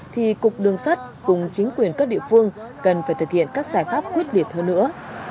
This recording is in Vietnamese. thì cục đường sắt cùng chính quyền các địa phương cần phải thực hiện các giải pháp quyết liệt hơn nữa